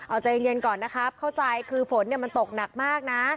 เอาใจเย็นก่อนนะครับเข้าใจคือฝนเนี่ยมันตกหนักมากนะ